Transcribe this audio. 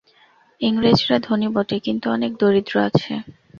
ইংরেজরা ধনী বটে, কিন্তু অনেক দরিদ্র আছে।